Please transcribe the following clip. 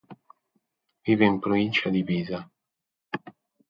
Vive in provincia di Pisa.